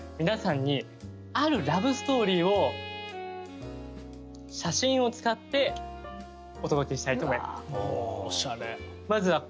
皆さんにあるラブストーリーを写真を使ってお届けしたいと思います。